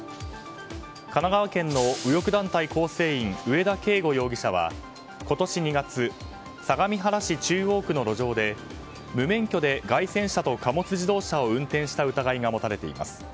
神奈川県の右翼団体構成員上田圭吾容疑者は、今年２月相模原市中央区の路上で無免許で街宣車と貨物自動車を運転した疑いが持たれています。